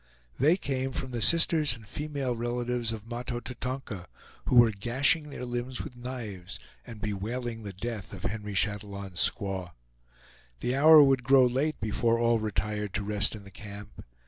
They came from the sisters and female relatives of Mahto Tatonka, who were gashing their limbs with knives, and bewailing the death of Henry Chatillon's squaw. The hour would grow late before all retired to rest in the camp.